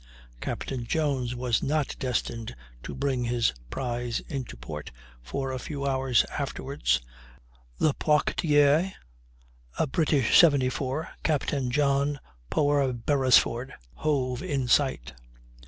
Captain Jones was not destined to bring his prize into port, for a few hours afterward the Poictiers, a British 74, Captain John Poer Beresford, hove in sight.